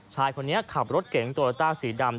ชายคนนี้ขับรถเก๋งโตโยต้าสีดำ